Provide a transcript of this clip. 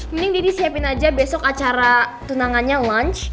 mending deddy siapin aja besok acara tunangannya lunch